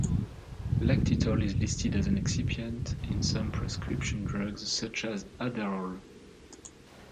Lactitol is listed as an excipient in some prescription drugs, such as Adderall.